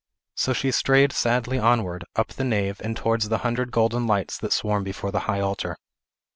So she strayed sadly onward, up the nave, and towards the hundred golden lights that swarm before the high altar.